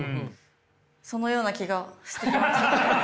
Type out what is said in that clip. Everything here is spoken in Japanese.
そのような気がしてきました。